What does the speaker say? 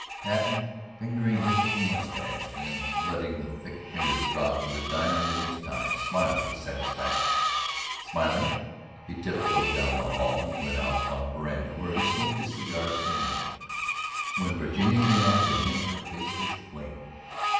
Patten, fingering his little mustache, then letting his thick fingers drop to the diamond in his tie, smiled with satisfaction. Smiling, he tiptoed down the hall and went out upon the veranda where he smoked his cigar serenely. When Virginia came out to him her face was flaming.